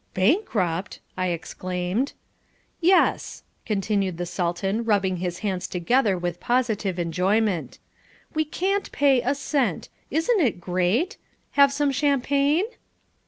"Bankrupt!" I exclaimed. "Yes," continued the Sultan, rubbing his hands together with positive enjoyment, "we can't pay a cent: isn't it great? Have some champagne?"